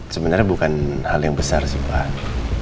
sebenarnya bukan hal yang besar sih pak